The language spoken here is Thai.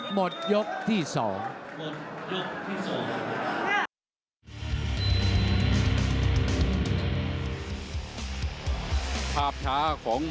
หมดยกที่สอง